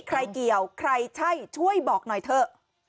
เกี่ยวใครใช่ช่วยบอกหน่อยเถอะ